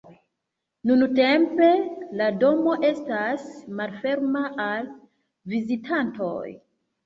Nuntempe, la domo estas malferma al vizitantoj.